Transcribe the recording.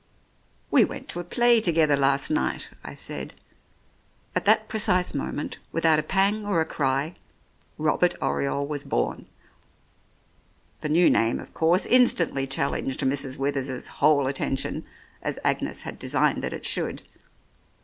"We went to a play together last night," I said. At that precise moment, without a pang or a cry, Robert Oriole was born. The new name, of course, instantly challenged g 89 The Oriolists Mrs. Withers's whole attention, as Agnes had de signed that it should.